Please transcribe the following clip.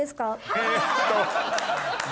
えっと。